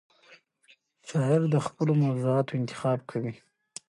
شاعر د خپلو موضوعاتو انتخاب کوي.